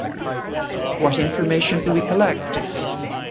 What information do we collect?